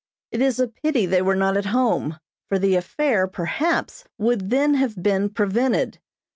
It is a pity they were not at home, for the affair, perhaps, would then have been prevented.